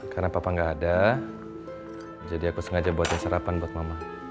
karena papa gak ada jadi aku sengaja buatnya sarapan buat mama